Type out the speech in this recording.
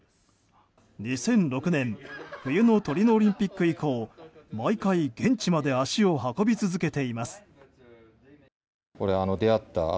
２００６年冬のトリノオリンピック以降毎回、現地まで足を運び続けています。